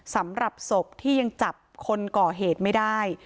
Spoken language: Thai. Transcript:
สำหรับศพที่ยังจับคนก่อเหตุไม่ได้